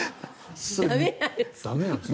駄目なんですね。